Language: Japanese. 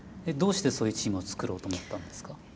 どうしてそういうチームを作ろうと思ったんですか？